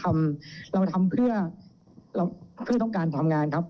เราทำเพื่อต้องการทำงานครับ